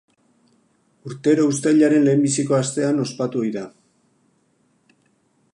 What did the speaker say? Urtero uztailaren lehenbiziko astean ospatu ohi da.